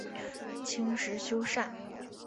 清时修缮。